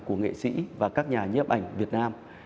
của nghệ sĩ và các nhà nhiếp ảnh việt nam